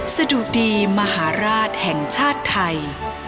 สะดุดีมหาราชแห่งชาติไทย